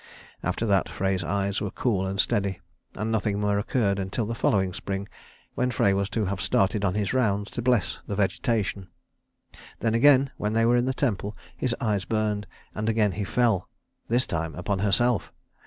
After that Frey's eyes were cool and steady, and nothing more occurred until the following spring when Frey was to have started on his rounds to bless the vegetation. Then again when they were in the temple his eyes burned, and again he fell, this time upon herself.